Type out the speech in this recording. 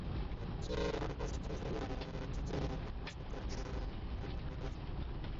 元基因组或总体基因体学是一门直接取得环境中所有遗传物质的研究。